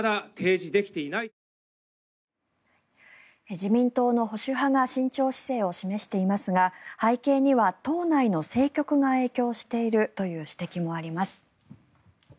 自民党の保守派が慎重姿勢を示していますが背景には党内の政局が影響しているという指摘もあります。